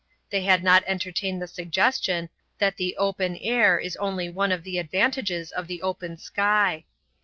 They had not entertained the suggestion that the open air is only one of the advantages of the open sky.